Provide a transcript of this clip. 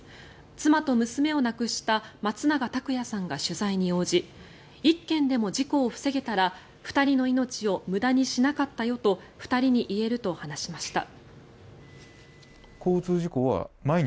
妻と娘を亡くした松永拓也さんが取材に応じ１件でも事故を防げたら２人の命を無駄にしなかったよと２人に言えると話しました。